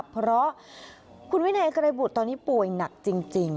เพราะคุณวินัยไกรบุตรตอนนี้ป่วยหนักจริง